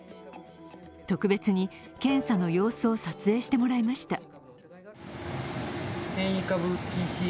特別に検査の様子を撮影してもらいました。